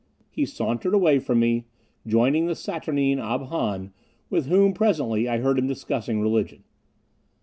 He sauntered away from me, joining the saturnine Ob Hahn, with whom presently I heard him discussing religion.